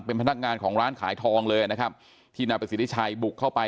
เป็นพนักงานของร้านขายทองเลยนะครับที่นายประสิทธิชัยบุกเข้าไป